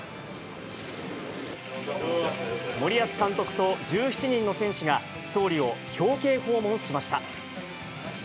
森保監督と１７人の選手が総理を表敬訪問しました。